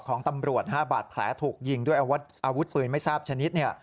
ของตำรวจ๕บาดแผลถูกยิงด้วยอาวุธปืนไม่ทราบชนิด